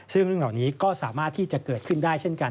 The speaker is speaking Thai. ซึ่งเรื่องเหล่านี้ก็สามารถที่จะเกิดขึ้นได้เช่นกัน